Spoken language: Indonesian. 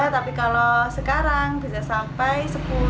tapi kalau sekarang bisa sampai sepuluh lima belas klien